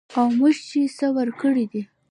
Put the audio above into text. او موږ چې څه ورکړي دي